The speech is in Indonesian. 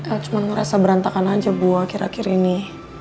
el cuman ngerasa berantakan aja buat ibu akhir akhir ini